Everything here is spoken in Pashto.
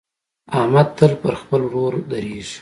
احمد تل پر خپل ورور درېږي.